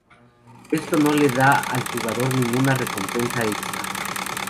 Esto no le da al jugador ninguna recompensa extra.